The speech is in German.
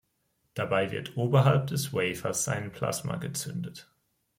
Dabei wird oberhalb des Wafers ein Plasma gezündet.